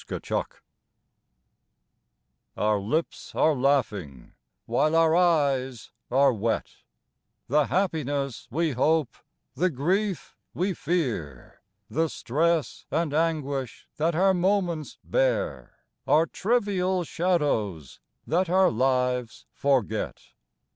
109 XVI OUR lips are laughing while our eyes are wet ; The happiness we hope, the grief we fear, The stress and anguish that our moments bear, Are trivial shadows that our lives forget.